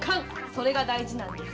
それが大事なんです。